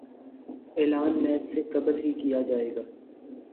اعلان میچ سے قبل ہی کیا جائے گا